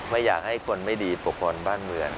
ไม่อยากให้คนไม่ดีปกป้อนบ้านเมือง